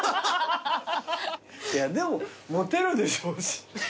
いやでもモテるでしょうし。